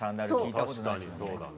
確かにそうだね。